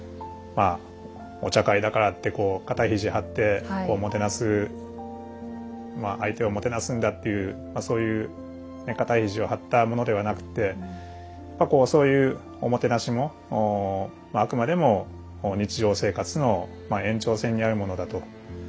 まあお茶会だからってこう肩肘張ってもてなすまあ相手をもてなすんだっていうそういう肩肘を張ったものではなくてそういうおもてなしもあくまでも日常生活の延長線にあるものだと。